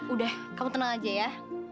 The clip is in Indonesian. udah kamu tenang aja ya